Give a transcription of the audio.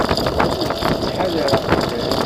Nekk ttḥadareɣ fell-ak.